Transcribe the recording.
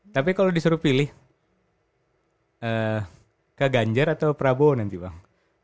tapi kalau disuruh pilih ke ganjar atau prabowo nanti bang